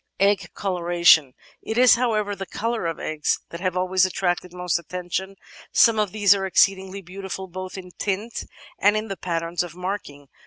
Egg Coloration It is, however, the colour of eggs that have always attracted most attention; some of these are exceedingly beautiful both in tint and in the patterns of marking.